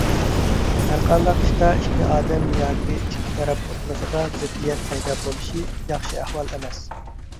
ھەرقانداق ئىشتا ئىككى ئادەم ياكى ئىككى تەرەپ ئوتتۇرىسىدا زىددىيەت پەيدا بولۇشى ياخشى ئەھۋال ئەمەس.